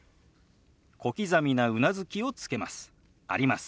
小刻みなうなずきをつけます。